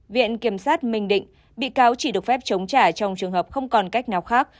viện kiểm sát bình định bị cáo chỉ được phép chống trả trong trường hợp không còn cách nào khác